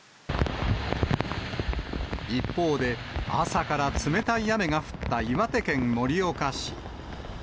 一方で、朝から冷たい雨が降った岩手県盛岡市。